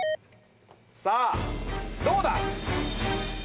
さあどうだ？